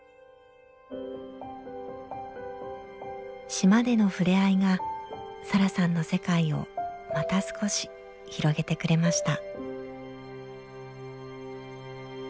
島での触れ合いがサラさんの世界をまた少し広げてくれました。